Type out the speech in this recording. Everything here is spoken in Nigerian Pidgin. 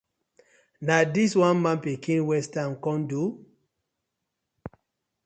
Na dis one man pikin waste time kom do?